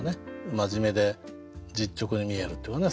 真面目で実直に見えるっていうかね。